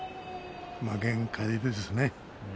限界ですね。